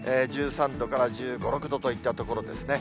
１３度から１５、６度といったところですね。